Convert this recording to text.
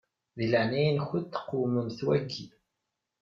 Di leɛnaya-nkent qewmemt waki.